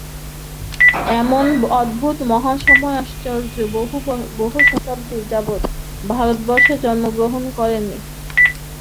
এমন অদ্ভুত মহাসমন্বয়াচার্য বহুশতাব্দী যাবৎ ভারতবর্ষে জন্মগ্রহণ করেননি।